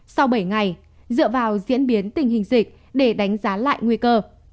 sau bảy ngày dựa vào diễn biến tình hình dịch để đánh giá lại nguy cơ